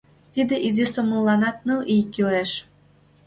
Тиде изи сомылланат ныл ий кӱлеш.